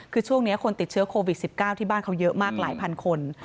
คือช่วงนี้คนติดเชื้อโควิด๑๙ที่บ้านเขาเยอะมากหลายพันคน